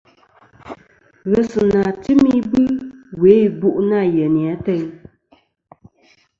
Ghesɨnà tɨm ibɨ we ìbu' nâ yeyni ateyn.